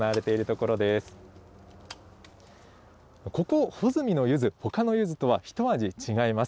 ここ穂積のゆず、ほかのゆずとは一味違います。